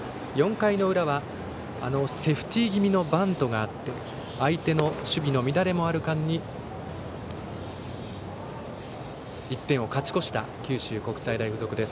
４回の裏は、セーフティー気味のバントがあって相手の守備の乱れもある間に１点を勝ち越した九州国際大付属。